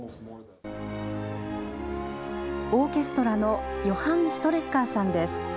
オーケストラのヨハン・シュトレッカーさんです。